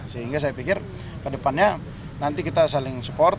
sehingga saya pikir ke depannya nanti kita saling support